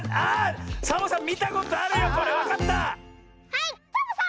はいサボさん！